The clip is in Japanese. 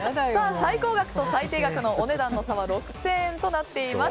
最高額と最低額のお値段の差は６０００円となっています。